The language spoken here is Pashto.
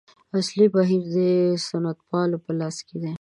اصلي بهیر د سنتپالو په لاس کې دی.